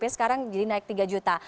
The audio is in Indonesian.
sekarang jadi naik rp tiga empat juta